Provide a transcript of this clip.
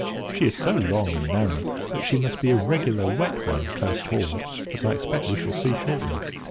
"She is so long and narrow that she must be a regular wet one close hauled, as I expect we shall see shortly.